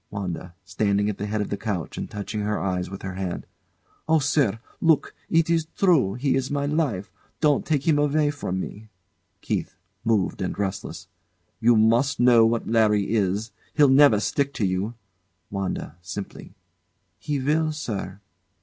WANDA. [Standing at the head of the couch and touching her eyes with her hands] Oh, sir! Look! It is true. He is my life. Don't take him away from me. KEITH. [Moved and restless] You must know what Larry is. He'll never stick to you. WANDA. [Simply] He will, sir.